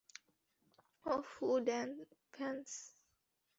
ওহ, ফু-- -ভ্যান্স!